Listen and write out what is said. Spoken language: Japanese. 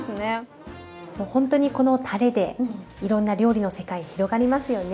ほんとにこのたれでいろんな料理の世界広がりますよね。